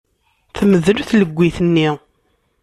Temdel tleggit-nni.